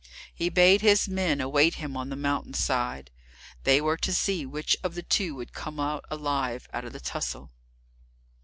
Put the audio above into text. He bade his men await him on the mountain side. They were to see which of the two would come alive out of the tussle.